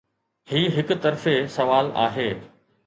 هي هڪ طرفي سوال آهي.